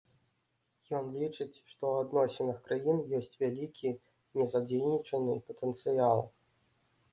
Ён лічыць, што ў адносінах краін ёсць вялікі незадзейнічаны патэнцыял.